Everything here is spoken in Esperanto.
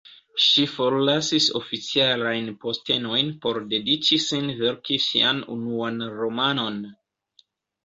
Ŝi forlasis oficialajn postenojn por dediĉi sin verki sian unuan romanon.